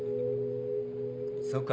そうか。